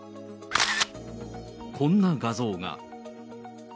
こんな画像が。